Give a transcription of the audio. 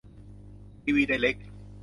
ทีวี ไดเร็ค